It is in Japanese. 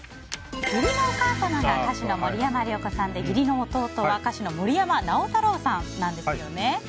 義理のお母様が歌手の森山良子さんで義理の弟は歌手の森山直太朗さんなんですよね。